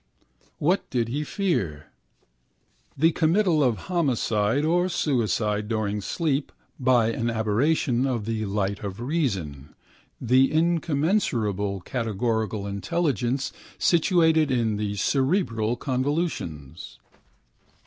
What did he fear? The committal of homicide or suicide during sleep by an aberration of the light of reason, the incommensurable categorical intelligence situated in the cerebral convolutions.